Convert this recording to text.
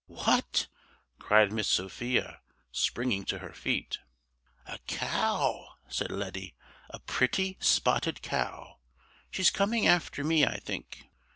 "What?" cried Miss Sophia, springing to her feet. "A cow," said Letty, "a pretty, spotted cow. She's coming after me, I think."